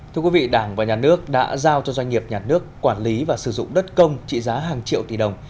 thưa quý vị đảng và nhà nước đã giao cho doanh nghiệp nhà nước quản lý và sử dụng đất công trị giá hàng triệu tỷ đồng